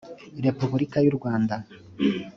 repuburika y u rwanda